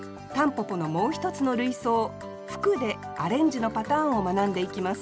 蒲公英のもう一つの類想「吹く」でアレンジのパターンを学んでいきます